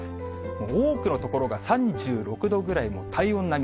もう多くの所が、３６度ぐらいの体温並み。